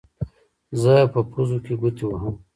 زه په پوزو کې ګوتې وهم.